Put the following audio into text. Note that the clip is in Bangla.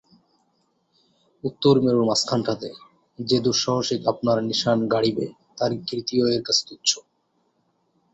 উত্তরমেরুর মাঝখানটাতে যে দুঃসাহসিক আপনার নিশান গাড়িবে তার কীর্তিও এর কাছে তুচ্ছ।